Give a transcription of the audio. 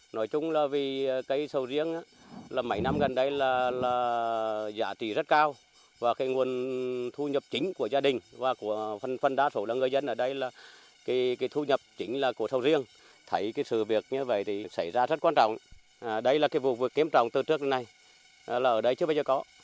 nói chung là vì cây sầu riêng là mấy năm gần đây là giá trị rất cao và cái nguồn thu nhập chính của gia đình và của phần đa số là người dân ở đây là cái thu nhập chính là của sầu riêng thấy cái sự việc như vậy thì xảy ra rất quan trọng đây là cái vụ việc nghiêm trọng từ trước này là ở đây chưa bao giờ có